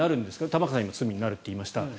玉川さんは今罪になると言いました。